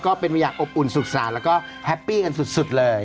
ก็เป็นไปอย่างอบอุ่นสุขศาลแล้วก็แฮปปี้กันสุดเลย